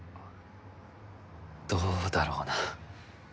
どうだろうな。